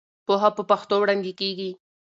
پوهه په پښتو وړاندې کېږي.